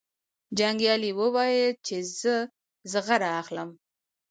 جنګیالي وویل چې زه زغره اخلم.